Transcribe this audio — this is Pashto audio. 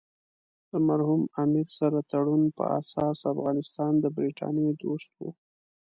د مرحوم امیر سره تړون په اساس افغانستان د برټانیې دوست وو.